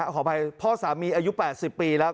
ขออภัยพ่อสามีอายุ๘๐ปีแล้ว